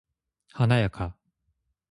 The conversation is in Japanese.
華やか。